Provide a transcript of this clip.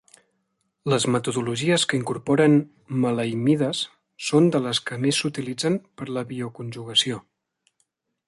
Les metodologies que incorporen maleimides són de les que més s'utilitzen per a la bioconjugació.